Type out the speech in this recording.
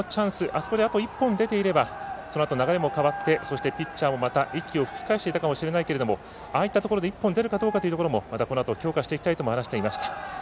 そこであと１本出ていれば流れも変わってそしてピッチャーもまた息を吹き返していたかもしれないけどもああいったところで１本出るかどうかというところまた強化していきたいと話していました。